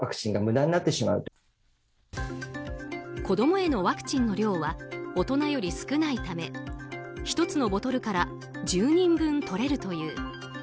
子供へのワクチンの量は大人より少ないため１つのボトルから１０人分とれるという。